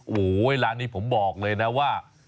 โอ้โหร้านนี้ผมบอกเลยนะว่า